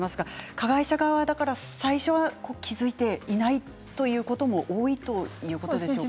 加害者側だから最初は気付いていないということも多いということなんですね。